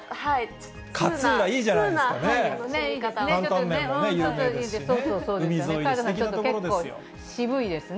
勝浦いいじゃないですかね。